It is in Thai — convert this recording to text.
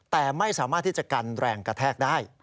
แต่ไม่สามารถที่จะกันแรงกระแทกได้